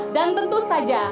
dan tentu saja